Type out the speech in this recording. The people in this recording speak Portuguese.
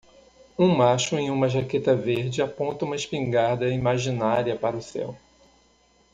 Um macho em uma jaqueta verde aponta uma espingarda imaginária para o céu.